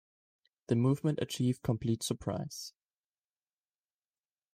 The movement achieved complete surprise.